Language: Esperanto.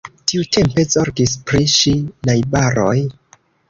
Tiutempe zorgis pri ŝi najbaroj.